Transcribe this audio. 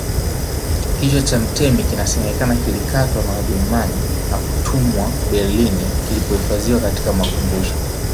Kichwa cha mtemi kinasemekana kilikatwa na Wajerumani na kutumwa Berlin kilipohifadhiwa katika makumbusho